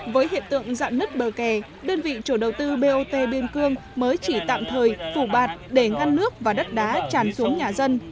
với hiện tượng dạn nứt bờ kè đơn vị chủ đầu tư bot biên cương mới chỉ tạm thời phủ bạt để ngăn nước và đất đá tràn xuống nhà dân